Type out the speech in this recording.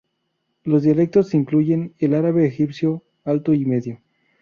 Los dialectos incluyen el árabe egipcio Alto y Medio.